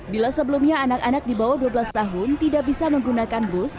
bila sebelumnya anak anak di bawah dua belas tahun tidak bisa menggunakan bus